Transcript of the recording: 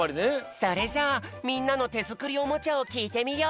それじゃあみんなのてづくりおもちゃをきいてみよう！